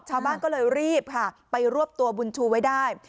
ชาวบ้านก็เลยรีบค่ะไปรวบตัวบุญชูไว้ได้